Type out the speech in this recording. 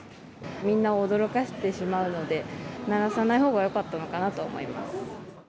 みんなを驚かせてしまうので、鳴らさないほうがよかったのかなと思います。